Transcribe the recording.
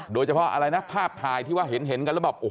โดยเฉพาะภาพถ่ายที่ว่าเห็นกันแล้วบอก